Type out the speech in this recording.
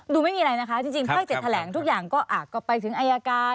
ไม่มีอะไรนะคะจริงภาค๗แถลงทุกอย่างก็ไปถึงอายการ